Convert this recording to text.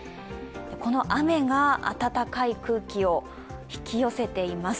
この雨が暖かい空気を引き寄せています。